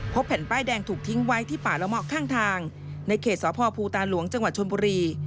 แผ่นป้ายแดงถูกทิ้งไว้ที่ป่าละเมาะข้างทางในเขตสพภูตาหลวงจังหวัดชนบุรี